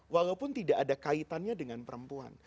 walaupun tidak ada kaitannya dengan perempuan